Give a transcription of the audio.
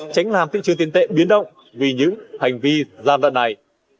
tránh làm thị trường tiền tệ biến động vì những hành vi gian đoạn này